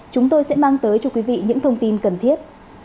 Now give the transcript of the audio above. chúng tôi sẽ mang tới cho quý vị những thông tin cần thiết